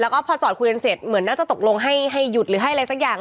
แล้วก็พอจอดคุยกันเสร็จเหมือนน่าจะตกลงให้หยุดหรือให้อะไรสักอย่าง